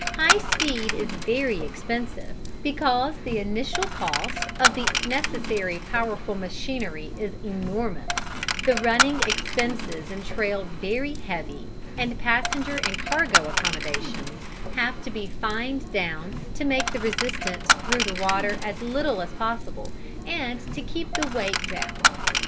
High speed is very expensive, because the initial cost of the necessary powerful machinery is enormous, the running expenses entailed very heavy, and passenger and cargo accommodation have to be fined down to make the resistance through the water as little as possible and to keep the weight down.